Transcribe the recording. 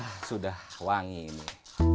ah sudah wangi ini